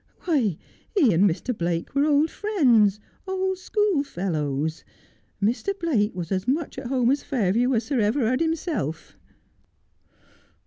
'Why, lie and Mr. Blake were old friends — old schoolfellows. Mr. Blake was as much at home at Fail view as Sir Everard himself.'